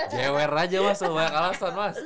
jewer aja mas semua banyak alasan mas